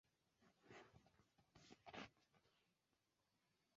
Tria estas la brita pundo kaj kvara la japana eno.